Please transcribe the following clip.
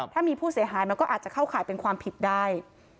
ถ้ามีผู้เสียหายมันก็อาจจะเข้าข่ายเป็นความผิดได้